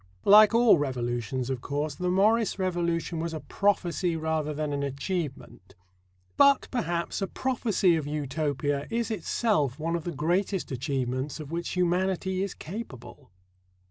Like all revolutions, of course, the Morris revolution was a prophecy rather than an achievement. But, perhaps, a prophecy of Utopia is itself one of the greatest achievements of which humanity is capable.